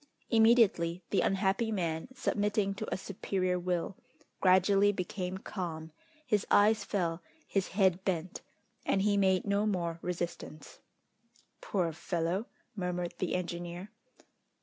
Immediately the unhappy man, submitting to a superior will, gradually became calm, his eyes fell, his head bent, and he made no more resistance. "Poor fellow!" murmured the engineer.